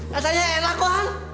katanya enak kok hang